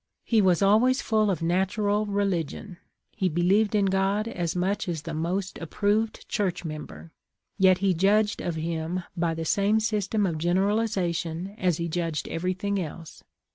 He was always full of natural religion ; he believed in God as much as the most approved Church member, yet he judged of Him by the same system of generalization as he judged everything else.